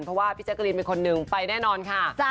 เพราะว่าพี่แจ๊กรีนเป็นคนหนึ่งไปแน่นอนค่ะ